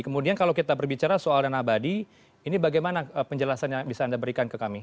kemudian kalau kita berbicara soal dana abadi ini bagaimana penjelasan yang bisa anda berikan ke kami